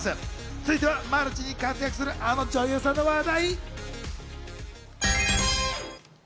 続いてはマルチに活躍するあの女優さんの話題。